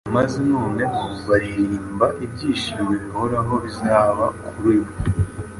maze noneho baririmba, ibyishimo bihoraho bizaba kuri bo